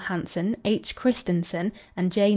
Hansen, H. Kristensen and J.